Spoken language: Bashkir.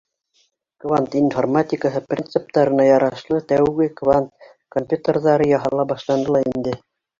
Квант информатикаһы принциптарына ярашлы тәүге квант компьютерҙары яһала башланы ла инде.